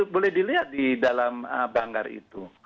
boleh dilihat di dalam banggar itu